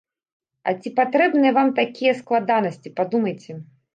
А ці патрэбныя вам такія складанасці, падумайце?